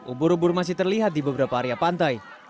ubur ubur masih terlihat di beberapa area pantai